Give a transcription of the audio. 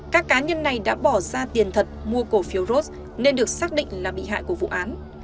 các cá nhân này đã bỏ ra tiền thật mua cổ phiếu ros nên được xác định là bị hại của vụ án